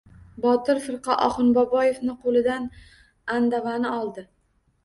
Botir firqa Oxunboboevni qo‘lidan andavani oldi.